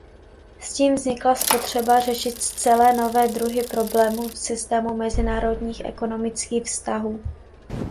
S tím vznikla potřeba řešit zcela nové druhy problémů v systému mezinárodních ekonomických vztahů.